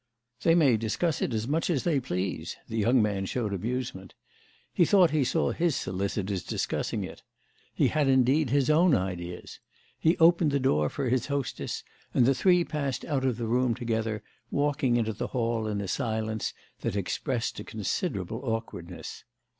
"They may discuss it as much as they please"—the young man showed amusement. He thought he saw his solicitors discussing it! He had indeed his own ideas. He opened the door for his hostess and the three passed out of the room together, walking into the hall in a silence that expressed a considerable awkwardness.